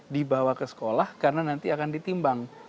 dibawa ke sekolah karena nanti akan ditimbang